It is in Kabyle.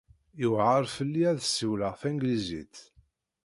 Yewɛeṛ fell-i ad ssiwleɣ tanglizit.